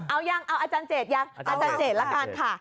เอายังเอาอาจารย์เจดยังอาจารย์เจตละกันค่ะ